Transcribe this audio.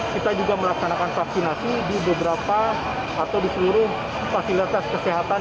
kita juga melaksanakan vaksinasi di beberapa atau di seluruh fasilitas kesehatan